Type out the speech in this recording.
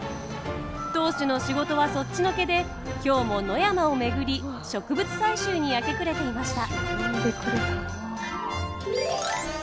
当主の仕事はそっちのけで今日も野山を巡り植物採集に明け暮れていました。